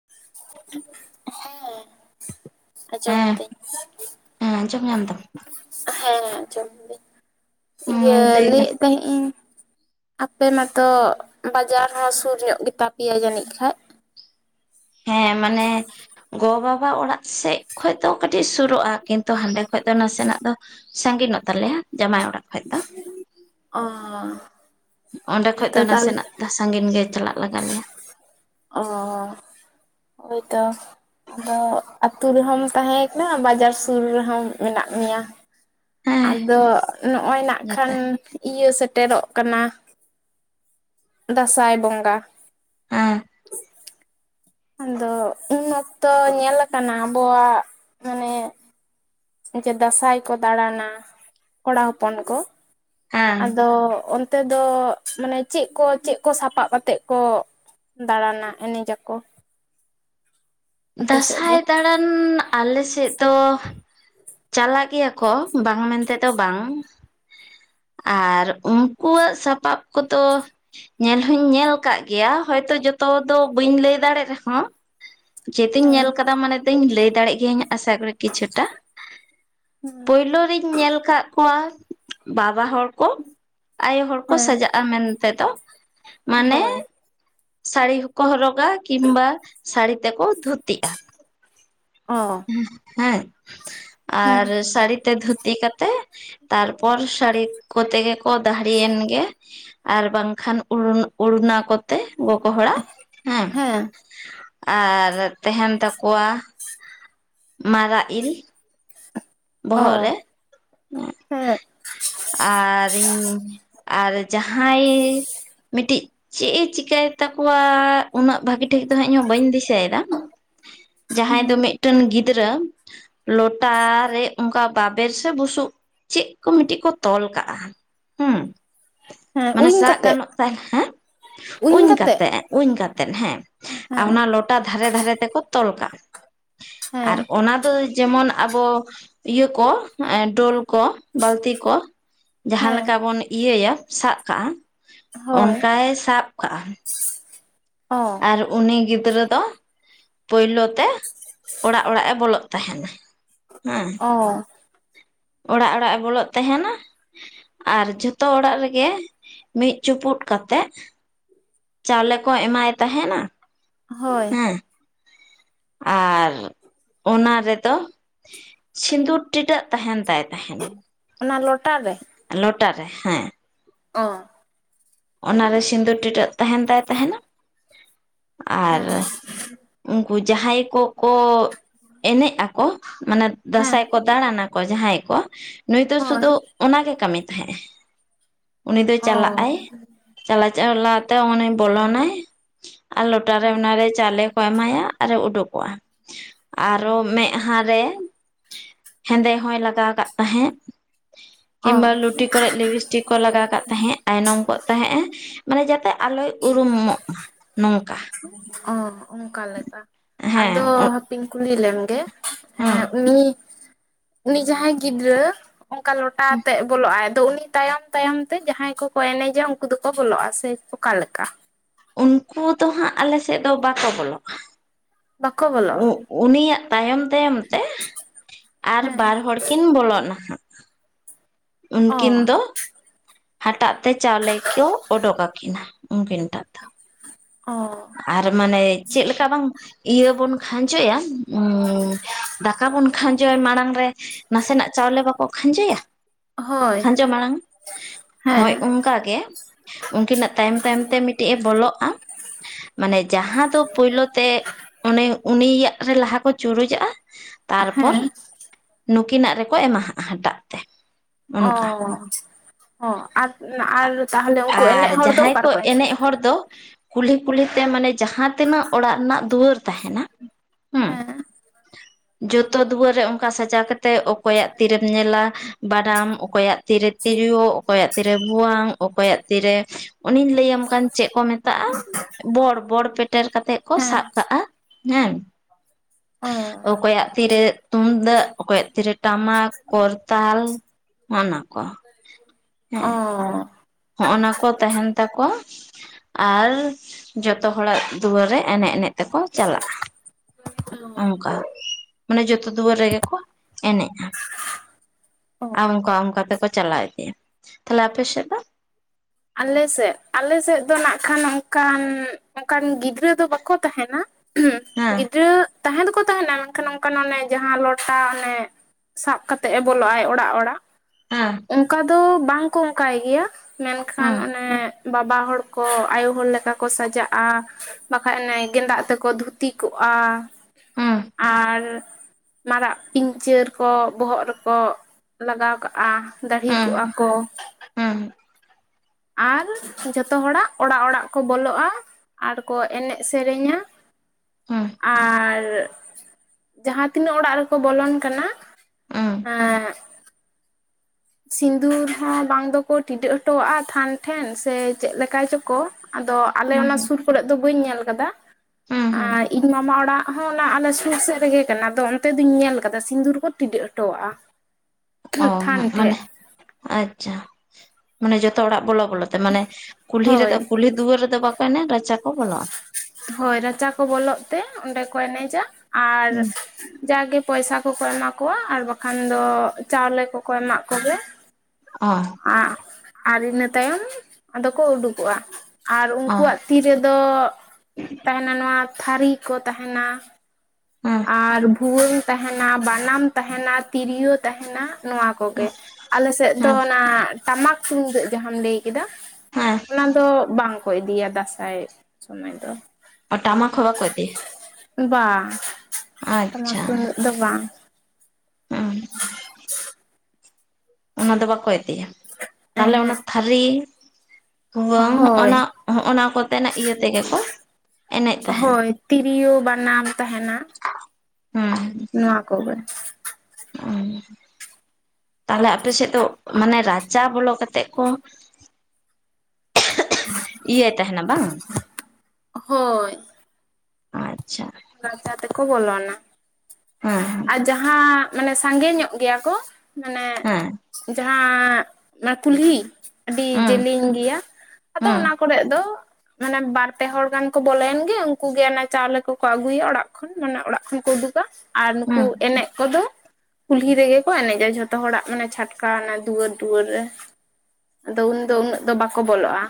[inaudible] ᱟᱸᱡᱚᱢ ᱦᱮᱸ ᱫᱟᱹᱧ ᱦᱮᱸ ᱟᱸᱡᱚᱢ ᱧᱟᱢ ᱫᱟᱢ ᱦᱮᱸ ᱟᱸᱡᱚᱢᱫᱟᱹᱧ ᱤᱭᱟᱹ ᱦᱮᱸ ᱞᱟᱹᱭ ᱢᱮ ᱞᱟᱹᱭᱮᱫ ᱛᱟᱦᱮᱸᱫ ᱤᱧ ᱟᱯᱮ ᱢᱟᱛᱚ ᱵᱟᱡᱟᱨ ᱦᱚᱸ ᱥᱩᱨ ᱧᱚᱜ ᱜᱮᱛᱟ ᱯᱮᱭᱟ ᱡᱟᱹᱱᱤᱡ ᱠᱷᱟᱱ᱾ ᱦᱮᱸ ᱢᱟᱱᱮ ᱜᱚ ᱵᱟᱵᱟ ᱚᱲᱟᱜ ᱥᱮᱡ ᱠᱷᱚᱡ ᱫᱚ ᱠᱟᱹᱴᱤᱡ ᱥᱩᱨᱩᱜᱼᱟ ᱠᱤᱱᱛᱩ ᱦᱟᱸᱰᱮ ᱠᱷᱚᱡ ᱫᱚ ᱱᱟᱥᱮᱱᱟᱜ ᱫᱚ ᱥᱟᱺᱜᱤᱧᱚᱜ ᱛᱟᱞᱮᱭᱟ ᱡᱟᱢᱟᱭ ᱚᱲᱟᱜ ᱠᱷᱚᱡ ᱫᱚ᱾ ᱚ ᱚᱸᱰᱮ ᱦᱮᱸ ᱠᱷᱚᱡ ᱛᱚ ᱫᱚ ᱱᱟᱥᱮ ᱛᱟᱦᱚᱞᱮ ᱱᱟᱜ ᱫᱚ, ᱥᱟᱺᱜᱤᱧ ᱜᱮ ᱪᱟᱞᱟᱜ ᱞᱟᱜᱟ ᱞᱮᱭᱟ ᱾ ᱚᱻ ᱦᱳᱭ ᱛᱚ᱾ ᱟᱫᱚ ᱟᱛᱩ ᱨᱮᱦᱚᱸᱢ ᱛᱟᱦᱮᱸ ᱠᱟᱱᱟ ᱵᱟᱡᱟᱨ ᱥᱩᱨ ᱨᱮᱦᱚᱸ ᱢᱮᱱᱟᱜ ᱢᱮᱭᱟ᱾ ᱦᱮᱸ ᱟᱫᱚ ᱱᱚᱜᱼᱚᱭ ᱱᱟᱜ ᱠᱷᱟᱱ ᱡᱟᱛᱮ ᱤᱭᱟᱹ ᱥᱮᱴᱮᱨᱚᱜ ᱠᱟᱱᱟ ᱫᱟᱸᱥᱟᱭ ᱵᱚᱸᱜᱟ᱾ ᱦᱮᱸ ᱟᱫᱚ ᱩᱱ ᱚᱠᱛᱚ ᱧᱮᱞ ᱟᱠᱟᱱᱟ ᱟᱵᱚᱣᱟᱜ ᱢᱟᱱᱮ ᱡᱮ ᱫᱟᱸᱥᱟᱭ ᱠᱚ ᱫᱟᱬᱟᱱᱟ ᱠᱚᱲᱟ ᱦᱚᱯᱚᱱ ᱠᱚ᱾ ᱦᱮᱸ ᱟᱫᱚ ᱚᱱᱛᱮ ᱫᱚ ᱢᱟᱱᱮ ᱪᱮᱫ ᱠᱚ ᱪᱮᱫ ᱠᱚ ᱥᱟᱯᱟᱵ ᱟᱛᱮᱜ ᱠᱚ ᱫᱟᱬᱟᱱᱟ ᱮᱱᱮᱡ ᱟᱠᱚ᱾ ᱥᱮᱫ ᱫᱚ ᱫᱟᱸᱥᱟᱭ ᱫᱟᱬᱟᱱ ᱟᱞᱮ ᱥᱮᱫ ᱫᱚ ᱪᱟᱞᱟᱜ ᱜᱮᱭᱟ ᱠᱚ ᱵᱟᱝ ᱢᱮᱱᱛᱮ ᱫᱚ ᱵᱟᱝ᱾ ᱟᱨ ᱩᱱᱠᱩᱣᱟᱜ ᱥᱟᱯᱟᱵ ᱠᱚᱫᱚ ᱧᱮᱞ ᱦᱚᱧ ᱧᱮᱞ ᱠᱟᱜ ᱜᱮᱭᱟ ᱦᱚᱭᱛᱚ ᱡᱚᱛᱚ ᱫᱚ ᱵᱟᱹᱧ ᱞᱟᱹᱭ ᱫᱟᱲᱮᱜ ᱨᱮᱦᱚᱸ᱾ ᱡᱮᱛᱤᱧ ᱧᱮᱞ ᱦᱮᱸ ᱠᱟᱫᱟ ᱢᱟᱱᱮ ᱫᱚᱧ ᱞᱟᱹᱭ ᱫᱟᱲᱮᱭᱟᱜ ᱜᱮᱭᱟᱹᱧ ᱟᱥᱟ ᱠᱚᱨᱮ ᱠᱤᱪᱷᱩᱴᱟ᱾ ᱦᱮᱸ ᱯᱩᱭᱞᱳ ᱨᱤᱧ ᱧᱮᱞ ᱟᱠᱟᱫ ᱠᱚᱣᱟᱜ ᱵᱟᱵᱟ ᱦᱚᱲ ᱠᱚ ᱟᱭᱳ ᱦᱚᱲ ᱠᱚ ᱦᱮᱸ ᱥᱟᱡᱟᱜᱼᱟ ᱢᱮᱱ ᱛᱮᱫᱚ᱾ ᱢᱟᱱᱮ ᱦᱳᱭ ᱥᱟᱹᱲᱤ ᱦᱚᱠᱚ ᱦᱚᱨᱚᱜᱟ ᱠᱤᱝᱵᱟ ᱥᱟᱹᱲᱤ ᱛᱮᱠᱚ ᱫᱷᱩᱛᱤᱜᱼᱟ᱾ [unintelligible] ᱦᱮᱸ ᱦᱮᱸ ᱟᱨ ᱥᱟᱹᱲᱤ ᱛᱮ ᱫᱷᱩ ᱛᱤ ᱠᱟᱛᱮᱜ ᱛᱟᱨᱯᱚᱨ ᱥᱟᱹᱲᱤ ᱠᱚᱛᱮ ᱜᱮ ᱠᱚ ᱫᱟᱦᱲᱤᱭᱮᱱ ᱜᱮ, ᱟᱨ ᱵᱟᱝᱠᱷᱟᱱ ᱩᱲᱱᱟ ᱠᱚ, ᱛᱮ ᱜᱚᱜᱚ ᱦᱚᱲᱟᱜ ᱦᱮᱸ ᱟᱨ ᱛᱟᱦᱮᱱ ᱛᱟᱠᱚᱣᱟ ᱢᱟᱨᱟᱜ ᱤᱞ, ᱵᱚᱦᱚᱜ ᱨᱮ ᱚ ᱾ ᱦᱮᱸ ᱟᱨ ᱤᱧ ᱟᱨ ᱡᱟᱦᱟᱸᱭ ᱢᱤᱫᱴᱤᱡ ᱪᱮᱫ ᱮ ᱪᱤᱠᱟᱹᱭ ᱛᱟᱠᱚᱣᱟ ᱩᱱᱟᱹᱜ ᱵᱷᱟᱹᱜᱤ ᱴᱷᱤᱠ ᱫᱚ ᱦᱟᱸᱜ ᱤᱧᱦᱚᱸ ᱵᱟᱹᱧ ᱫᱤᱥ ᱫᱟ ᱡᱟᱦᱟᱸᱭ ᱫᱚ ᱢᱤᱫᱴᱮᱱ ᱜᱤᱫᱽᱨᱟᱹ ᱞᱚᱴᱟ ᱨᱮ ᱚᱱᱠᱟ ᱵᱟᱵᱮᱨ ᱥᱮ ᱵᱩᱥᱩᱵ ᱪᱮᱫ ᱠᱚ ᱢᱤᱫᱴᱤᱡ ᱠᱚ ᱛᱚᱞ ᱠᱟᱜᱼᱟ ᱦᱩᱸ ᱾ ᱦᱮᱸ ᱢᱟᱱᱮ ᱩᱧ ᱥᱟᱵ ᱠᱟᱛᱮᱜ ᱜᱟᱱᱚᱜ ᱛᱟᱭ ᱦᱮᱸ ᱩᱧ ᱠᱟᱛᱮᱜ ᱩᱧ ᱠᱟᱛᱮᱜ ᱦᱮᱸ᱾ ᱟᱨ ᱦᱮᱸ ᱚᱱᱟ ᱞᱚᱴᱟ ᱫᱷᱟᱨᱮ ᱫᱷᱟᱨᱮ ᱛᱮᱠᱚ ᱛᱚᱞ ᱠᱟᱜᱼᱟ ᱦᱮᱸ ᱟᱨ ᱚᱱᱟ ᱫᱚ ᱡᱮᱢᱚᱱ ᱟᱵᱚ ᱤᱭᱟᱹ ᱠᱚ ᱰᱳᱞ ᱠᱚ, ᱵᱟᱞᱛᱤ ᱠᱚ ᱼᱼ ᱡᱟᱦᱟᱸ ᱦᱮᱸ ᱞᱮᱠᱟ ᱵᱚᱱ ᱤᱭᱟᱹᱭᱟ ᱥᱟᱵ ᱠᱟᱜᱼᱟ ᱦᱳᱭ ᱚᱱᱠᱟᱭ ᱥᱟᱵ ᱠᱟᱜᱼᱟ ᱾ ᱚ ᱾ ᱟᱨ ᱩᱱᱤ ᱜᱤᱫᱽᱨᱟᱹ ᱫᱚ ᱯᱳᱭᱞᱳ ᱛᱮ ᱚᱲᱟᱜ ᱚᱲᱟᱜ ᱮ ᱵᱚᱞᱚ ᱛᱟᱦᱮᱸᱱᱟ ᱦᱮᱸ᱾ ᱚᱻ ᱚᱲᱟᱜ ᱚᱲᱟᱜ ᱮ ᱵᱚᱞᱚᱜ ᱛᱟᱦᱮᱸᱱᱟ᱾ ᱟᱨ ᱡᱷᱚᱛᱚ ᱚᱲᱟᱜ ᱨᱮ ᱜᱮ ᱢᱤᱫ ᱪᱩᱯᱩᱫ ᱠᱟᱛᱮᱫ ᱼᱼ ᱪᱟᱣᱞᱮ ᱠᱚ ᱮᱢᱟᱭ ᱛᱟᱦᱮᱱᱟ ᱾ ᱦᱳᱭ ᱾ ᱟᱨ ᱚᱱᱟ ᱨᱮ ᱫᱚ ᱼᱼ ᱥᱤᱸᱫᱩᱨ ᱴᱤᱰᱟᱹᱜ ᱛᱟᱦᱮᱱ ᱛᱟᱭ ᱛᱟᱦᱮᱱᱟ ᱾ ᱚᱱᱟ ᱞᱚᱴᱟ ᱨᱮ? ᱞᱚᱴᱟ ᱨᱮ ᱦᱮᱸ ᱾ ᱚ ᱾ ᱚᱱᱟ ᱨᱮ ᱥᱤᱸᱫᱩᱨ ᱴᱤᱰᱟᱹᱜ ᱛᱟᱦᱮᱱ ᱛᱟᱭ ᱛᱟᱦᱮᱱᱟ ᱟᱨ ᱦᱮᱸ ᱼᱼ ᱩᱱᱠᱩ ᱡᱟᱦᱟᱸᱭ ᱠᱚᱠᱚ ᱮᱱᱮᱡ ᱟᱠᱚ ᱢᱟᱱᱮ ᱦᱮᱸ ᱫᱟᱸᱥᱟᱭ ᱠᱚ ᱫᱟᱬᱟᱱᱟ ᱼᱼ ᱠᱚ ᱟᱦᱟᱸᱭ ᱠᱚ ᱱᱩᱭ ᱫᱚ ᱦᱳᱭ ᱥᱩᱫᱩ ᱚᱱᱟ ᱜᱮ ᱠᱟᱹᱢᱤ ᱛᱟᱦᱮᱸᱜᱼᱮ ᱾ ᱩᱱᱤ ᱫᱚ ᱚ ᱪᱟᱞᱟᱜᱼᱟᱭ᱾ ᱪᱟᱞᱟᱣ ᱪᱟᱞᱟᱣ ᱛᱮ ᱩᱱᱤ ᱵᱚᱞᱚᱱᱟᱭ ᱟᱨ ᱞᱚᱴᱟᱨᱮ ᱦᱮᱸ ᱚᱱᱟᱨᱮ ᱪᱟᱣᱞᱮ ᱠᱚ ᱮᱢᱟᱭᱟ ᱟᱨᱮ ᱩᱰᱩᱠᱚᱜᱼᱟ ᱟᱨᱦᱚᱸ ᱢᱮᱫᱦᱟ ᱨᱮ ᱦᱮᱸᱫᱮ ᱦᱚᱭ ᱞᱟᱜᱟᱣ ᱠᱟᱜ ᱛᱟᱦᱮᱸᱫ ᱾ ᱠᱤᱢᱵᱟ ᱚ ᱞᱩᱴᱤ ᱠᱚᱨᱮ ᱞᱤᱵᱤᱥᱴᱤᱠ ᱠᱚ ᱞᱟᱜᱟᱣ ᱠᱟᱜ ᱛᱟᱦᱮᱸᱫ ᱟᱭᱱᱚᱢ ᱠᱚᱜ ᱼᱼ ᱛᱟᱦᱮᱸᱜᱼᱟ ᱢᱟᱱᱮ ᱡᱟᱛᱮ ᱟᱞᱚᱭ ᱩᱨᱩᱢᱚᱜ ᱢᱟ ᱱᱚᱝᱠᱟ ᱾ ᱚ ᱚᱱᱠᱟ ᱞᱮᱠᱟ ᱟᱫᱚ ᱦᱮᱸ ᱦᱟᱹᱯᱮᱧ ᱠᱩᱞᱤ ᱞᱮᱢ ᱜᱮ ᱦᱩᱸ ᱾ ᱩᱱᱤ ᱩᱱᱤ ᱡᱟᱦᱟᱸᱭ ᱜᱤᱫᱽᱨᱟᱹ ᱚᱱᱠᱟ ᱞᱚᱴᱟ ᱟᱛᱮᱜ ᱼᱼ ᱵᱚᱞᱚᱜ ᱟᱭ ᱟᱫᱚ ᱩᱱᱤ ᱛᱟᱭᱚᱢ ᱛᱟᱭᱚᱢ ᱛᱮ ᱡᱟᱦᱟᱸᱭ ᱠᱚᱠᱚ ᱮᱱᱮᱡᱟ ᱩᱱᱠᱩ ᱫᱚ ᱠᱚ ᱵᱚᱞᱚᱜᱼᱟ ᱥᱮ ᱚᱠᱟ ᱞᱮᱠᱟ? ᱩᱱᱠᱩ ᱫᱚ ᱦᱟᱸᱜ ᱟᱞᱮ ᱥᱮᱫ ᱫᱚ ᱵᱟᱠᱚ ᱵᱚᱞᱚᱜᱼᱟ ᱾ ᱵᱟᱠᱚ ᱵᱚᱞᱚᱜᱼᱟ ᱩᱱᱤᱭᱟᱜ ᱛᱟᱭᱚᱢ ᱛᱟᱭᱚᱢ ᱛᱮ ᱟᱨ ᱦᱮᱸ ᱵᱟᱨ ᱦᱚᱲ ᱠᱤᱱ ᱵᱚᱞᱚᱱᱟ ᱦᱟᱸᱜ ᱾ ᱚ ᱩᱱᱠᱤᱱ ᱫᱚ ᱼᱼ ᱦᱟᱴᱟᱜ ᱛᱮ ᱪᱟᱣᱞᱮ ᱠᱚ ᱚᱰᱚᱠ ᱟᱹᱠᱤᱱᱟ ᱩᱱᱠᱤᱱ ᱴᱟᱜ ᱫᱚ ᱾ ᱚᱻ ᱟᱨ ᱢᱟᱱᱮ ᱪᱮᱫ ᱞᱮᱠᱟ ᱵᱟᱝ ᱼᱼ ᱤᱭᱟᱹ ᱵᱚᱱ ᱠᱷᱟᱸᱡᱚᱭᱟ ᱫᱟᱠᱟ ᱵᱚᱱ ᱠᱷᱟᱸᱡᱚᱭᱟ ᱢᱟᱲᱟᱝ ᱨᱮ ᱼᱼ ᱱᱟᱥᱮᱱᱟᱜ ᱪᱟᱣᱞᱮ ᱵᱟᱠᱚ ᱠᱷᱟᱸᱡᱚᱭᱟ? ᱦᱳᱭ ᱠᱷᱟᱸᱡᱚ ᱢᱟᱲᱟᱝ ᱦᱮᱸ ᱦᱳᱭ ᱚᱱᱠᱟ ᱜᱮ ᱼᱼ ᱩᱱᱠᱤᱱᱟᱜ ᱛᱟᱭᱚᱢ ᱛᱟᱭᱚᱢ ᱛᱮ ᱢᱤᱫᱴᱤᱡ ᱮ ᱵᱚᱞᱚᱜᱼᱟ ᱾ ᱢᱟᱱᱮ ᱡᱟᱦᱟᱸ ᱫᱚ ᱯᱳᱭᱞᱳ ᱛᱮ ᱚᱱᱮ ᱩᱱᱤᱭᱟᱜ ᱨᱮ ᱞᱟᱦᱟ ᱠᱚ ᱪᱩᱨᱩᱡᱟᱜᱼᱟ ᱾ ᱛᱟᱨᱯᱚᱨ ᱦᱮᱸ ᱱᱩᱠᱤᱱᱟᱜ ᱨᱮᱠᱚ ᱮᱢᱟ ᱦᱟᱜᱼᱟ ᱦᱟᱴᱟᱜ ᱛᱮ ᱾ ᱚ ᱟᱨ ᱟᱨ ᱛᱟᱦᱚᱞᱮ ᱩᱱᱠᱩ ᱟᱨ ᱮᱱᱮᱡ ᱦᱚᱲ ᱫᱚ ᱡᱟᱦᱟᱸᱭ ᱚᱠᱟ ᱠᱚ ᱨᱮᱠᱚ ᱮᱱᱮᱡ ᱜᱮᱭᱟ? ᱦᱚᱲ ᱫᱚ ᱼᱼ ᱠᱩᱞᱦᱤ ᱠᱩᱞᱦᱤ ᱛᱮ ᱢᱟᱱᱮ ᱡᱟᱦᱟᱸ ᱛᱤᱱᱟᱹᱜ ᱚᱲᱟᱜ ᱨᱮᱱᱟᱜ ᱫᱩᱣᱟᱹᱨ ᱛᱟᱦᱮᱱᱟ ᱦᱩᱸ ᱦᱮᱸ ᱼᱼ ᱡᱚᱛᱚ ᱫᱩᱣᱟᱹᱨ ᱨᱮ ᱚᱱᱠᱟ ᱥᱟᱡᱟᱣ ᱠᱟᱛᱮ ᱚᱠᱚᱭᱟᱜ ᱛᱤ ᱨᱮᱢ ᱧᱮᱞᱟ ᱼᱼ ᱵᱟᱱᱟᱢ ᱚᱠᱚᱭᱟᱜ ᱛᱤᱨᱮ ᱛᱤᱨᱭᱳ, ᱚᱠᱚᱭᱟᱜ ᱛᱤᱨᱮ ᱵᱷᱩᱣᱟᱝ, ᱚᱠᱚᱭᱟᱜ ᱛᱤᱨᱮ ᱚᱱᱤᱧ ᱞᱟᱹᱭᱟᱢ ᱠᱟᱱ ᱪᱮᱫ ᱠᱚ ᱢᱮᱛᱟᱜᱼᱟ? ᱠᱷᱚᱲ ᱵᱚᱲ ᱯᱮᱴᱮᱨ ᱠᱟᱛᱮᱜ ᱠᱚ ᱦᱮᱸ ᱥᱟᱵ ᱠᱟᱜᱼᱟ, ᱦᱮᱸ ᱚ ᱚᱠᱚᱭᱟᱜ ᱛᱤᱨᱮ ᱛᱩᱢᱫᱟᱜ, ᱚᱠᱚᱭᱟᱜ ᱛᱤᱨᱮ ᱴᱟᱢᱟᱠ, ᱠᱚᱨᱛᱟᱞ, ᱚᱱᱟ ᱠᱚ᱾ ᱚᱻ ᱦᱚᱸᱜ ᱱᱟ ᱠᱚ ᱛᱟᱦᱮᱸᱱ ᱛᱟᱠᱚᱣᱟ ᱟᱨ ᱡᱷᱚ ᱛᱚ ᱦᱚᱲᱟᱜ ᱫᱩᱣᱟᱹᱨ ᱨᱮ ᱮᱱᱮᱡ ᱮᱱᱮᱡ ᱛᱮᱠᱚ ᱪᱟᱞᱟᱜᱼᱟ ᱚᱱᱠᱟ ᱾ ᱢᱟᱱᱮ ᱡᱷᱚᱛᱚ ᱫᱩᱣᱟᱹᱨ ᱨᱮᱜᱮ ᱠᱚ ᱮᱱᱮᱡᱼᱟ ᱾ ᱚ ᱟᱨ ᱚᱱᱠᱟ ᱚᱝᱠᱟ ᱛᱮᱠᱚ ᱪᱟᱞᱟᱣ ᱤᱫᱤᱭᱟ᱾ ᱛᱟᱞᱦᱮ ᱟᱯᱮ ᱥᱮᱫ ᱫᱚ? ᱟᱞᱮ ᱥᱮᱫ ᱟᱞᱮ ᱥᱮᱫ ᱫᱚ ᱱᱟᱸᱜ ᱠᱷᱟᱱ ᱚᱱᱠᱟᱱ ᱚᱱᱠᱟᱱ ᱜᱤᱫᱽᱨᱟᱹ ᱫᱚ ᱵᱟᱠᱚ ᱛᱟᱦᱮᱱᱟ ᱾ [unintelligible] ᱦᱮᱸ ᱜᱤᱫᱽᱨᱟᱹ ᱛᱟᱦᱮᱸ ᱫᱚᱠᱚ ᱛᱟᱦᱮᱸᱱᱟ ᱢᱮᱱᱠᱷᱟᱱ ᱚᱱᱠᱟᱱ ᱚᱱᱮ ᱡᱟᱦᱟᱸ ᱞᱚᱴᱟ ᱚᱱᱮ ᱥᱟᱵ ᱠᱟᱛᱮᱜ ᱮ ᱵᱚᱞᱚᱜ ᱟᱭ ᱚᱲᱟᱜ ᱚᱲᱟᱜ ᱦᱮᱸ ᱾ ᱚᱱᱠᱟ ᱫᱚ ᱵᱟᱝᱠᱚ ᱚᱱᱠᱟᱭ ᱜᱮᱭᱟ ᱢᱮᱱᱠᱷᱟᱱ ᱦᱮᱸ ᱚᱱᱮ ᱵᱟᱵᱟ ᱦᱚᱲ ᱠᱚ ᱟᱭᱳ ᱦᱚᱲ ᱞᱮᱠᱟ ᱠᱚ ᱥᱟᱡᱟᱜᱼᱟ ᱵᱟᱠᱷᱟᱡ ᱚᱱᱮ ᱜᱮᱸᱫᱟᱜ ᱛᱮᱠᱚ ᱫᱷᱩᱛᱤ ᱠᱚᱜᱼᱟ, ᱦᱮᱸ ᱟᱨ ᱢᱟᱨᱟᱜ ᱯᱤᱧᱪᱟᱹᱨ ᱠᱚ ᱵᱚᱦᱚᱜ ᱨᱮᱠᱚ ᱞᱟᱜᱟᱣ ᱠᱟᱜᱼᱟ᱾ ᱫᱟᱹᱦᱤ ᱠᱚᱜᱼᱟ ᱠᱚ᱾ ᱦᱮᱸ ᱦᱮᱸ᱾ ᱟᱨ ᱡᱚᱛᱚ ᱦᱚᱲᱟᱜ ᱚᱲᱟᱜ ᱚᱲᱟᱜ ᱠᱚ ᱵᱚᱞᱚᱜᱼᱟ᱾ ᱟᱨᱠᱚ ᱮᱱᱮᱡ ᱥᱮᱨᱮᱧᱟ, ᱦᱮᱸ ᱟᱨᱻ ᱡᱟᱦᱟᱸ ᱛᱤᱱᱟᱹᱜ ᱚᱲᱟᱜ ᱨᱮᱠᱚ ᱵᱚᱞᱚᱱ ᱠᱟᱱᱟ, ᱥᱤᱸᱫᱩᱨ ᱦᱚᱸ ᱵᱟᱝ ᱫᱚᱠᱚ ᱴᱤᱰᱟᱹᱜ ᱦᱚᱴᱚᱣᱟᱜᱼᱟ ᱛᱷᱟᱱ ᱴᱷᱮᱱ, ᱥᱮ ᱪᱮᱫ ᱞᱮᱠᱟᱭ ᱪᱚᱠᱚ, ᱟᱫᱚ ᱟᱞᱮ ᱦᱮᱸ ᱚᱱᱟ ᱦᱮᱸ ᱥᱩᱨ ᱠᱚᱨᱮ ᱫᱚ ᱵᱟᱹᱧ ᱧᱮᱞ ᱟᱠᱟᱫᱟ, ᱦᱮᱸ ᱦᱮᱸ ᱟᱨ ᱤᱧ ᱢᱟᱢᱟ ᱚᱲᱟᱜ ᱦᱚᱸ ᱚᱱᱟ ᱟᱞᱮ ᱥᱩᱨ ᱥᱮᱫ ᱨᱮᱜᱮ ᱠᱟᱱᱟ ᱟᱫᱚ ᱚᱱᱛᱮ ᱫᱚᱧ ᱧᱮᱞ ᱠᱟᱫᱟ, ᱥᱤᱸᱫᱩᱨ ᱠᱚ ᱴᱤᱰᱟᱹᱜ ᱦᱚᱴᱚᱣᱟᱜᱼᱟ᱾ [inaudible] ᱚ ᱛᱷᱟᱱ ᱢᱟᱱᱮ ᱴᱷᱮᱡ ᱟᱪᱪᱷᱟ ᱢᱟᱱᱮ ᱡᱷᱚᱛᱚ ᱚᱲᱟᱜ ᱵᱚᱞᱚ ᱵᱚᱞᱚ ᱛᱮ ᱾ ᱢᱟᱱᱮ ᱠᱩᱞᱦᱤ ᱨᱮᱫᱚ ᱦᱳᱭ ᱠᱩᱞᱦᱤ ᱫᱩᱣᱟᱹᱨ ᱨᱮᱫᱚ ᱵᱟᱠᱚ ᱮᱱᱮᱡ ᱨᱟᱪᱟ ᱠᱚ ᱵᱚᱞᱚᱜᱼᱟ ᱾ ᱦᱳᱭ ᱨᱟᱪᱟ ᱠᱚ ᱵᱚᱞᱚᱜ ᱛᱮ ᱚᱸᱰᱮ ᱠᱚ ᱮᱱᱮᱡᱟ, ᱟᱨ ᱚ ᱡᱟᱜᱮ ᱯᱚᱭᱥᱟ ᱠᱚᱠᱚ ᱮᱢᱟ ᱠᱚᱣᱟ ᱟᱨ ᱵᱟᱠᱷᱟᱱ ᱫᱚ ᱪᱟᱣᱞᱮ ᱠᱚᱠᱚ ᱮᱢᱟᱜ ᱠᱚᱜᱮ᱾ ᱚᱜ ᱟᱜ ᱟᱨ ᱤᱱᱟᱹ ᱛᱟᱭᱚᱢ ᱟᱫᱚ ᱠᱚ ᱩᱰᱩᱠᱚᱜᱼᱟ, ᱟᱨ ᱚ ᱩᱱᱠᱩᱣᱟᱜ ᱛᱤ ᱨᱮᱫᱚ ᱛᱟᱦᱮᱱᱟ ᱱᱚᱣᱟ ᱛᱷᱟᱹᱨᱤ ᱠᱚ ᱛᱟᱦᱮᱱᱟ᱾ ᱦᱮᱸ ᱟᱨ ᱵᱷᱩᱣᱟᱹᱝ ᱛᱟᱦᱮᱸᱱᱟ, ᱵᱟᱱᱟᱢ ᱛᱟᱦᱮᱸᱱᱟ ᱛᱤᱨᱭᱳ, ᱛᱟᱦᱮᱸᱱᱟ, ᱱᱚᱣᱟ ᱠᱚᱜᱮ ᱟᱞᱮᱥᱮᱫ ᱫᱚ ᱦᱮᱸ ᱚᱱᱟ ᱴᱟᱢᱟᱠ ᱛᱩᱢᱫᱟᱹᱜ ᱡᱟᱦᱟᱸᱢ ᱞᱟᱹᱭ ᱠᱮᱫᱟ ᱦᱮᱸ ᱚᱱᱟ ᱫᱚ ᱵᱟᱝ ᱠᱚ ᱤᱫᱤᱭᱟ ᱫᱟᱸᱥᱟᱭ ᱥᱚᱢᱚᱭ ᱫᱚ᱾ ᱚ ᱴᱟᱢᱟᱠ ᱦᱚᱸ ᱵᱟᱠᱚ ᱤᱫᱤᱭᱟ? ᱵᱟᱝ ᱴᱟᱢᱟᱠ ᱟᱪᱪᱷᱟ ᱛᱩᱢᱫᱟᱹᱜ ᱫᱚ ᱵᱟᱝ᱾ ᱦᱮᱸ ᱚᱱᱟ ᱫᱚ ᱵᱟᱠᱚ ᱤᱫᱤᱭᱟ, ᱛᱟᱦᱚᱞᱮ ᱮᱸᱦᱮᱸᱜ ᱚᱱᱟ ᱛᱷᱟᱹᱨᱤ ᱵᱷᱣᱟᱹᱝ ᱦᱚᱸᱜ ᱦᱳᱭ ᱱᱟ ᱦᱚᱜ-ᱱᱟ ᱠᱚᱛᱮᱱᱟᱜ ᱤᱭᱟᱹ ᱛᱮᱜᱮ ᱠᱚ ᱮᱱᱮᱡ ᱛᱟᱦᱮᱱ ᱦᱳᱭ ᱛᱤᱨᱭᱳ ᱵᱟᱱᱟᱢ ᱛᱟᱦᱮᱸᱱᱟ᱾ ᱦᱩᱸ ᱱᱚᱣᱟ ᱠᱚᱜᱮ᱾ ᱚᱸ᱾ ᱛᱟᱦᱚᱞᱮ ᱟᱯᱮ ᱥᱮᱫ ᱫᱚ ᱢᱟᱱᱮ ᱨᱟᱪᱟ ᱵᱚᱞᱚ ᱠᱟᱛᱮᱜ ᱠᱚ [unintelligible] ᱤᱭᱟᱹᱟᱭ ᱛᱟᱦᱮᱱᱟ ᱵᱟᱝ? ᱦᱳᱭ᱾ ᱟᱪᱪᱷᱟ᱾ ᱨᱟᱪᱟ ᱛᱮᱠᱚ ᱵᱚᱞᱚᱱᱟ᱾ ᱦᱮᱸᱻ ᱟᱨ ᱡᱟᱦᱟᱸ ᱢᱟᱱᱮ ᱥᱟᱸᱜᱮ ᱧᱚᱜ ᱜᱮᱭᱟ ᱠᱚ ᱢᱟᱱᱮ ᱦᱮᱸ ᱡᱟᱦᱟᱸ ᱚᱱᱟ ᱠᱩᱞᱦᱤ ᱟᱹᱰᱤ ᱦᱮᱸ ᱡᱮᱞᱮᱧ ᱜᱮᱭᱟ ᱟᱫᱚ ᱦᱮᱸ ᱚᱱᱟ ᱠᱚᱨᱮ ᱫᱚ ᱢᱟᱱᱮ ᱵᱟᱨ ᱯᱮ ᱦᱚᱲ ᱜᱟᱱ ᱠᱚ ᱵᱚᱞᱚᱭᱮᱱ ᱜᱮ ᱩᱱᱠᱩ ᱜᱮ ᱮᱱᱟ ᱪᱟᱣᱞᱮ ᱠᱚ ᱠᱚ ᱟᱹᱜᱩᱭᱟ ᱚᱲᱟᱜ ᱠᱷᱚᱱ ᱢᱟᱱᱮ ᱚᱲᱟᱜ ᱠᱷᱚᱱ ᱠᱚ ᱩᱰᱩᱠᱟ ᱟᱨ ᱱᱩᱠᱩ ᱦᱮᱸ ᱮᱱᱮᱡ ᱠᱚᱫᱚ ᱠᱩᱞᱦᱤ ᱨᱮᱜᱮ ᱠᱚ ᱮᱱᱮᱡᱟ ᱡᱷᱚᱛᱚ ᱦᱚᱲᱟᱜ ᱢᱟᱱᱮ ᱪᱷᱟᱴᱠᱟ ᱚᱱᱟ ᱫᱩᱣᱟᱹᱨ ᱫᱩᱣᱟᱹᱨ ᱨᱮ ᱟᱫᱚ ᱩᱱᱫᱚ ᱩᱱᱟᱹᱜ ᱫᱚ ᱵᱟᱠᱚ ᱵᱚᱞᱚᱜᱼᱟ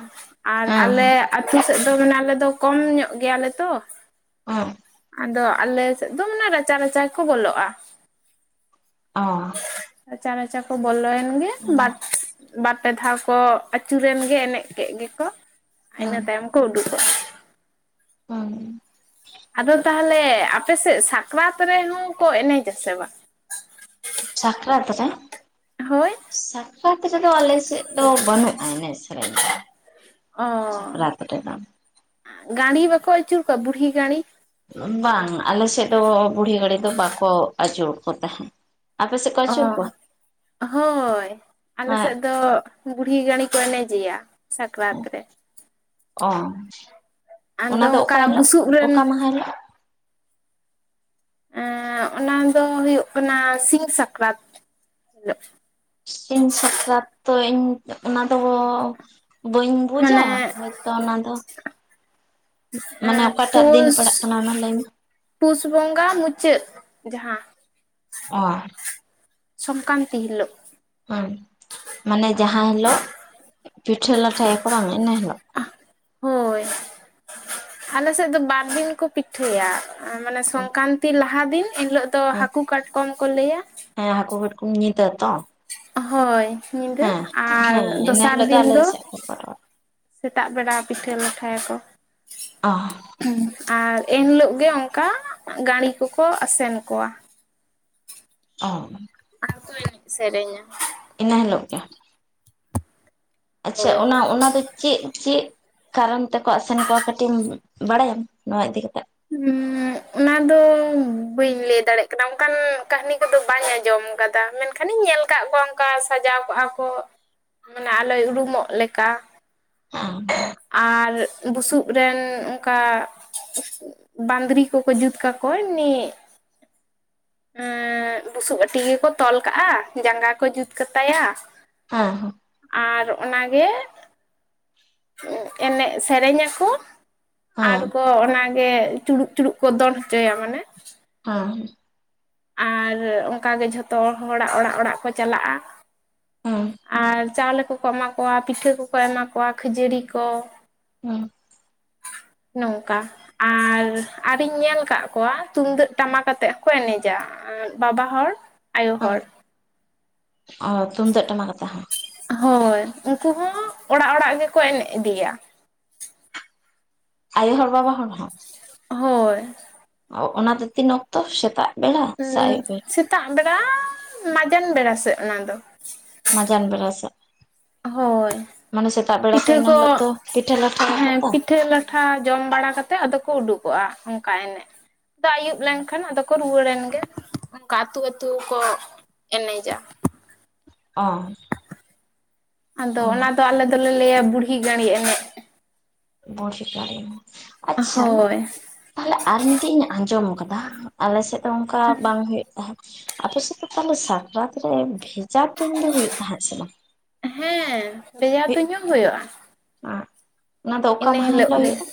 ᱟᱨ ᱦᱮᱸ ᱟᱞᱮ ᱟᱹᱛᱩ ᱥᱮᱫ ᱫᱚ ᱢᱟᱱᱮ ᱟᱞᱮ ᱫᱚ ᱠᱚᱢ ᱧᱚᱜ ᱜᱮᱭᱟᱞᱮ ᱛᱚ [unintelligible] ᱟᱫᱚ ᱟᱞᱮᱥᱮᱫ ᱫᱚ ᱢᱟᱱᱮ ᱨᱟᱪᱟᱼ ᱨᱟᱪᱟ ᱜᱮᱠᱚ ᱵᱚᱞᱚᱜᱼᱟ ᱚ ᱨᱟᱪᱟ ᱨᱟᱪᱟ ᱠᱚ ᱵᱚᱞᱚ ᱮᱱ ᱜᱮ ᱵᱟᱴ ᱵᱟᱨ ᱯᱮ ᱫᱷᱟᱣ ᱠᱚ ᱟᱹᱪᱩᱨᱮᱱ ᱜᱮ ᱮᱱᱮᱡ ᱠᱮᱫ ᱜᱮᱠᱚ ᱦᱮᱸ ᱤᱱᱟᱹ ᱛᱟᱭᱚᱢ ᱠᱚ ᱩᱰᱩᱠᱚᱜᱼᱟ ᱦᱩᱸ ᱟᱫᱚ ᱛᱟᱦᱞᱮ ᱟᱯᱮᱥᱮᱫ ᱥᱟᱠᱨᱟᱛ ᱨᱮᱦᱚᱸ ᱠᱚ ᱮᱱᱮᱡ ᱟᱥᱮ ᱵᱟᱝ ᱥᱟᱠᱨᱟᱛ ᱨᱮ ᱦᱳᱭ ᱥᱟᱠᱨᱟᱛ ᱨᱮᱫᱚ ᱟᱞᱮ ᱥᱮ ᱪᱮᱫ ᱫᱚ ᱵᱟᱹᱱᱩᱜᱼᱟ ᱮᱱᱮᱡ ᱥᱮᱨᱮᱧ ᱫᱚ ᱚ ᱥᱟᱠᱨᱟᱛ ᱨᱮᱫᱚ ᱜᱟᱹᱬᱤ ᱵᱟᱠᱚ ᱟᱹᱪᱩᱨ ᱠᱚᱣᱟ ᱵᱩᱲᱦᱤ ᱜᱟᱹᱬᱤ ᱵᱟᱝ ᱟᱞᱮ ᱥᱮᱫ ᱫᱚ ᱵᱩᱲᱦᱤ ᱜᱟᱹᱢᱤ ᱫᱚ ᱵᱟᱠᱚ ᱟᱹᱪᱩᱨ ᱠᱚ ᱛᱟᱦᱮᱸᱫ ᱟᱯᱮ ᱥᱮᱫ ᱠᱚ ᱟᱹᱪᱩᱨ ᱠᱚᱣᱟ ᱚ ᱦᱳᱭ ᱟᱞᱮ ᱦᱮᱸ ᱥᱮᱫ ᱫᱚ ᱵᱩᱲᱦᱤ ᱜᱟᱹᱬᱤ ᱠᱚ ᱮᱱᱮᱡᱮᱭᱟ ᱥᱟᱠᱨᱟᱛ ᱨᱮ ᱚ ᱟᱫᱚ ᱚᱱᱟᱫᱚ ᱚᱠᱟ ᱚᱱᱠᱟ ᱦᱤᱞᱳᱜ ᱵᱩᱥᱩᱵ ᱚᱠᱟ ᱨᱮᱱ ᱢᱟᱦᱟ ᱦᱤᱞᱳᱜ ᱮᱸᱻ ᱚᱱᱟ ᱫᱚ ᱦᱩᱭᱩᱜ ᱠᱟᱱᱟ ᱥᱤᱧ ᱥᱟᱠᱨᱟᱛ ᱦᱤᱞ ᱥᱤᱧ ᱥᱟᱠᱨᱟᱛ ᱛᱚ ᱤᱧ ᱚᱱᱟ ᱫᱚ ᱵᱟᱹᱧ ᱵᱩᱡᱟ ᱢᱟᱱᱮ ᱦᱚᱭᱛᱚ ᱚᱱᱟ ᱫᱚ ᱢᱟᱱᱮ ᱮᱸ ᱚᱠᱟᱴᱟᱜ ᱫᱤᱱ ᱯᱩᱥ ᱯᱟᱲᱟᱜ ᱠᱟᱱᱟ ᱚᱱᱟ ᱞᱟᱹᱭ ᱢᱮ ᱯᱩᱥ ᱵᱚᱸᱜᱟ ᱢᱩᱪᱟᱹᱫ ᱡᱟᱦᱟᱸ ᱚ ᱥᱚᱝᱠᱟᱱᱛᱤ ᱦᱤᱞᱳᱜ ᱦᱮᱸ ᱢᱟᱱᱮ ᱡᱟᱦᱟᱸ ᱦᱤᱞᱳᱜ ᱯᱤᱴᱷᱟᱹ ᱞᱟᱴᱷᱟᱭᱟᱠᱚ ᱵᱟᱝ ᱤᱱᱟᱹ ᱦᱤᱞᱳᱜ ᱦᱳᱭ ᱟᱞᱮ ᱥᱮᱫ ᱫᱚ ᱵᱟᱨ ᱫᱤᱱ ᱠᱚ ᱯᱤ ᱴᱷᱟᱹᱭᱟ ᱢᱟᱱᱮ ᱥᱚᱝᱠᱨᱟᱱᱛᱤ ᱞᱟᱦᱟ ᱫᱤᱱ ᱮᱱᱦᱤᱞᱳᱜ ᱫᱚ ᱦᱮᱸ ᱦᱟᱹᱠᱩ ᱠᱟᱴᱠᱚᱢ ᱠᱚ ᱞᱟᱹᱭᱟ ᱦᱮᱸ ᱦᱟᱹᱠᱩ ᱠᱟᱴᱠᱚᱢ [unintelligible] ᱦᱳᱭ ᱧᱤᱫᱟᱹ ᱦᱮᱸ ᱟᱨ ᱦᱮᱸ ᱤᱱᱟᱹ ᱫᱚᱥᱟᱨ ᱦᱤᱞᱳᱜ ᱫᱤᱱ ᱟᱞᱮ ᱫᱚ ᱥᱮᱫ ᱠᱚ ᱠᱚᱨᱟᱣᱟ ᱥᱮᱛᱟᱜ ᱵᱮᱲᱟ ᱯᱤᱴᱷᱟᱹ ᱞᱟᱴᱷᱟᱭᱟᱠᱚ ᱚ ᱦᱮᱸ ᱟᱨ ᱮᱱᱦᱤᱞᱳᱜ ᱜᱮ ᱚᱱᱠᱟ ᱜᱟᱹᱬᱤ ᱠᱚᱠᱚ ᱟᱥᱮᱱ ᱠᱚᱣᱟ ᱚ ᱟᱨᱠᱚ ᱮᱱᱮᱡ ᱥᱮᱨᱮᱧᱟ ᱤᱱᱟᱹ ᱦᱤᱞᱳᱜ ᱜᱮ ᱟᱪᱪᱷᱟ ᱦᱳᱭ ᱚᱱᱟ ᱚᱱᱟ ᱫᱚ ᱪᱮᱫ ᱪᱮᱫ ᱠᱟᱨᱚᱱ ᱛᱮᱠᱚ ᱟᱥᱮᱱ ᱠᱚᱣᱟ ᱠᱟᱹᱴᱤᱡ ᱮᱢ ᱵᱟᱲᱟᱭᱟᱢ ᱱᱚᱣᱟ ᱤᱫᱤ ᱠᱟᱛᱮᱫ ᱦᱩᱸᱜ ᱚᱱᱟ ᱫᱚ ᱵᱟᱹᱧ ᱞᱟᱹᱭ ᱫᱟᱲᱮᱭᱟᱜ ᱠᱟᱱᱟ ᱚᱝᱠᱟᱱ ᱠᱟᱹᱦᱱᱤ ᱠᱚᱫᱚ ᱵᱟᱹᱧ ᱟᱸᱡᱚᱢ ᱠᱟᱫᱟ ᱢᱮᱱᱠᱷᱟᱱᱤᱧ ᱧᱮᱞ ᱟᱠᱟᱫ ᱠᱚᱣᱟ ᱚᱱᱠᱟ ᱥᱟᱡᱟᱣ ᱠᱚᱜᱼᱟ ᱠᱚ ᱢᱟᱱᱮ ᱟᱞᱚᱭ ᱩᱨᱩᱢᱚᱜ ᱞᱮᱠᱟ ᱚ ᱟᱨ ᱵᱩᱥᱩᱵ ᱨᱮᱱ ᱚᱱᱠᱟ ᱵᱟᱸᱫᱽᱨᱤ ᱠᱚᱠᱚ ᱡᱩᱛ ᱠᱟᱠᱚ ᱮᱢᱱᱤ ᱩᱸᱻ ᱵᱩᱥᱩᱵ ᱟᱴᱤ ᱜᱮᱠᱚ ᱛᱚᱞ ᱠᱟᱜᱼᱟ ᱡᱟᱸᱜᱟ ᱠᱚ ᱡᱩᱛ ᱠᱟᱛᱟᱭᱟ ᱦᱚᱸ ᱦᱚᱸ ᱟᱨ ᱚᱱᱟᱜᱮ ᱮᱱᱮᱡ ᱥᱮᱨᱮᱧ ᱠᱚ ᱟᱨ ᱠᱚ ᱚᱱᱟ ᱜᱮ ᱪᱩᱲᱩᱜ ᱪᱩᱲᱩᱜ ᱠᱚ ᱫᱚᱱ ᱦᱚᱪᱚᱭᱟ ᱢᱟᱱᱮ ᱦᱮᱸ ᱟᱨ ᱚᱱᱠᱟ ᱜᱮ ᱡᱷᱚᱛᱚ ᱦᱚᱲᱟᱜ ᱚᱲᱟᱜ ᱚᱲᱟᱜ ᱠᱚ ᱪᱟᱞᱟᱜᱼᱟ ᱦᱮᱸ ᱟᱨ ᱪᱟᱣᱞᱮ ᱠᱚᱠᱚ ᱮᱢᱟ ᱠᱚᱣᱟ ᱯᱤᱴᱷᱟᱹ ᱠᱚᱠᱚ ᱮᱢᱟ ᱠᱚᱣᱟ ᱠᱷᱟᱹᱡᱟᱹᱲᱤ ᱠᱚ ᱦᱮᱸ ᱱᱚᱝᱠᱟ ᱟᱨ ᱟᱨᱤᱧ ᱧᱮᱞ ᱟᱠᱟᱫ ᱠᱚᱣᱟ ᱛᱩᱢᱫᱟᱹᱜ ᱴᱟᱢᱟᱠ ᱟᱛᱮ ᱦᱚᱸ ᱠᱚ ᱮᱱᱮᱡ ᱡᱟ ᱵᱟᱵᱟ ᱦᱚᱲ ᱟᱭᱳ ᱦᱮᱸ ᱦᱚᱲ ᱚ ᱛᱩᱢᱫᱟᱹᱜ ᱴᱟᱢᱟᱠ ᱟᱛᱮ ᱦᱚ ᱦᱳᱭ ᱩᱱᱠᱩ ᱦᱚᱸ ᱚᱲᱟᱜ ᱚᱲᱟᱜ ᱜᱮᱠᱚ ᱮᱱᱮᱡ ᱤᱫᱤᱭᱟ ᱟᱭᱚ ᱦᱚᱲ ᱵᱟᱵᱟ ᱦᱚᱲ ᱦᱚᱸ ᱦᱳᱭ ᱚᱱᱟᱫᱚ ᱛᱤᱱ ᱚᱠᱛᱚ ᱥᱮᱛᱟᱜ ᱵᱮᱲᱟ ᱦ ᱥᱮ ᱟᱹᱭᱩᱵ ᱵᱮᱲᱟ ᱥᱮᱛᱟᱜ ᱵᱮᱲᱟ ᱢᱟᱡᱟᱱ ᱵᱮᱲᱟ ᱥᱮᱫ ᱚᱱᱟ ᱫᱚ ᱢᱟᱡᱟᱱ ᱵᱮᱲᱟ ᱥᱮ ᱦᱳᱭ ᱢᱟᱱᱮ ᱥᱮᱛᱟᱜ ᱵᱮᱲᱟ ᱫᱚ ᱯᱤᱴᱷᱟᱹ ᱤᱱᱟ ᱦᱤᱞᱚᱜ ᱠᱚ ᱫᱚ ᱯᱤᱴᱷᱟᱹ ᱞᱟᱴᱷᱟ ᱛᱚ ᱴᱚᱴᱷᱟ ᱡᱚᱢ ᱵᱟᱲᱟ ᱠᱟᱛᱮᱫ ᱟᱫᱚ ᱠᱚ ᱩᱰᱩᱠᱚᱜᱼᱟ ᱚᱱᱠᱟ ᱮᱱᱮᱡ ᱫᱟᱜ ᱟᱹᱭᱩᱵ ᱞᱮᱱᱠᱷᱟᱱ ᱟᱫᱚ ᱠᱚ ᱨᱩᱣᱟᱹᱲᱮᱱ ᱜᱮ ᱚᱱᱠᱟ ᱟᱹᱛᱩ ᱟᱹᱛᱩ ᱠᱚ ᱮᱱᱮᱡᱟ ᱚ ᱟᱫᱚ ᱚᱱᱟ ᱫᱚ ᱟᱞᱮ ᱫᱚᱞᱮ ᱞᱟᱹᱭᱟ ᱵᱩᱲᱦᱤ ᱜᱟᱲᱤ ᱮᱱᱮᱡ ᱵᱩᱲᱤᱭᱟ ᱟᱪᱪᱷᱟ ᱦᱳᱭ ᱛᱟᱦᱚᱞᱮ ᱟᱨ ᱢᱤᱫᱴᱮᱱ ᱤᱧ ᱟᱸᱡᱚᱢ ᱠᱟᱫᱟ ᱟᱞᱮᱥᱮᱫ ᱫᱚ ᱚᱱᱠᱟ ᱵᱟᱝ ᱦᱳᱭᱳᱜ ᱟᱯᱮ ᱥᱮᱫ ᱛᱟᱦᱚᱞᱮ ᱥᱟᱠᱨᱟᱛ ᱨᱮ ᱵᱷᱮᱡᱟ ᱛᱩᱧ ᱫᱚ ᱦᱩᱭᱩᱜ ᱛᱟᱦᱮᱸᱫ ᱥᱮ ᱵᱟᱝ ᱦᱮᱸ ᱵᱷᱮᱡᱟ ᱛᱩᱧ ᱦᱚ ᱦᱳᱭᱳᱜᱼᱟ ᱦ ᱚᱱᱟ ᱫᱚ ᱚᱠᱟ ᱢᱟᱦᱟ ᱦᱤᱞᱳᱜ ᱦᱳᱭᱳᱜᱼᱟ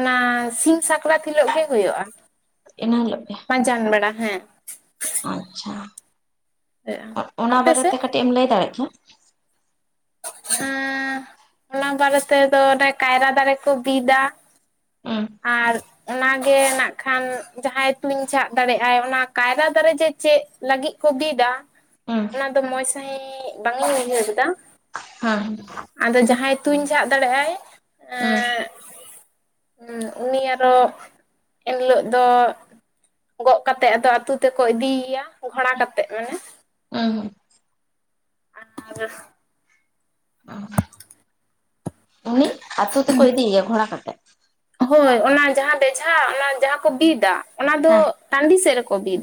ᱚᱱᱟ ᱥᱤᱧ ᱥᱟᱠᱨᱟᱛ ᱦᱤᱞᱚᱜ ᱜᱮ ᱦᱩᱭᱩᱜᱼᱟ ᱮᱱᱟ, ᱦᱤᱚᱜᱮᱞ ᱢᱟᱡᱟᱱ ᱵᱟᱲᱟ ᱦᱮᱸ ᱟᱪᱪᱷᱟ ᱦᱩᱭᱩᱜᱼᱟ ᱚᱱᱟ ᱟᱯᱮ ᱵᱟᱨᱮᱛᱮ ᱥᱮᱫ ᱠᱟᱹᱴᱤᱡ ᱮᱢ ᱞᱟᱹᱭ ᱫᱟᱲᱮᱭᱟᱜ ᱠᱮᱭᱟ ᱦᱮᱸ ᱦᱚᱞᱟᱝ ᱵᱟᱨᱮ ᱛᱮᱫᱚ ᱚᱱᱮ ᱠᱟᱭᱨᱟ ᱫᱟᱨᱮ ᱠᱚ ᱵᱤᱫᱟ ᱦᱸ ᱟᱨ ᱚᱱᱟᱜᱮ ᱱᱟᱜ ᱠᱷᱟᱱ ᱡᱟᱦᱟᱸᱭ ᱛᱩᱧ ᱪᱷᱟᱜ ᱫᱟᱲᱮᱭᱟᱜ ᱟᱭ ᱚᱱᱟ ᱠᱟᱭᱨᱟ ᱫᱟᱨᱮ ᱡᱮ ᱪᱮᱫ ᱞᱟᱹᱜᱤᱫ ᱠᱚ ᱵᱤᱫᱟ ᱦᱩᱸ ᱚᱱᱟ ᱫᱚ ᱢᱚᱡᱽ ᱥᱟᱺᱦᱤᱡ ᱵᱟᱝ ᱤᱧ ᱩᱭᱦᱟᱹᱨ ᱫᱟ ᱦᱮᱸ ᱟᱫᱚ ᱡᱟᱦᱟᱸᱭ ᱛᱩᱧ ᱪᱷᱟᱜ ᱫᱟᱲᱮᱭᱟᱜ ᱟᱭ ᱦᱮᱸ ᱩᱱᱤ ᱟᱨᱚ ᱮᱱᱦᱤᱞᱚᱜ ᱫᱚ ᱜᱚᱜ ᱠᱟᱛᱮᱜ ᱟᱫᱚ ᱟᱹᱛᱩ ᱛᱮᱠᱚ ᱤᱫᱤᱭᱮᱭᱟ ᱜᱷᱚᱲᱟ ᱠᱟᱛᱮᱜ ᱢᱟᱱᱮ ᱦᱩᱸ ᱦᱩᱸ [unintelligible] ᱦᱮ [unintelligible] ᱩᱱᱤ ᱟᱛᱳ ᱛᱮᱠᱚ ᱤᱫᱤᱭᱮᱭᱟ ᱜᱷᱚᱲᱟ ᱠᱟᱛᱮ ᱦᱚᱭ ᱚᱱᱟ ᱡᱟᱦᱟᱸ ᱵᱮᱡᱷᱟ ᱚᱱᱟ ᱡᱟᱦᱟᱸ ᱠᱚ ᱵᱤᱫᱟ ᱚᱱᱟ ᱫᱚ ᱦᱮᱸ ᱴᱟᱺᱰᱤ ᱥᱮᱫ ᱨᱮᱠᱚ ᱵᱤᱫᱟ